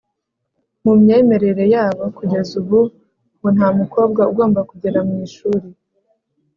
mu myemerere yabo kugeza ubu ngo nta mukobwa ugomba kugera mu ishuri